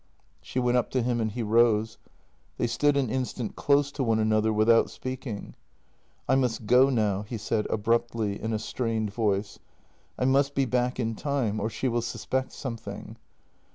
She went up to him and he rose; they stood an instant close to one another without speaking. " I must go now," he said abruptly, in a strained voice. " I must be back in time, or she will suspect something."